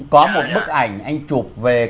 có một bức ảnh anh chụp về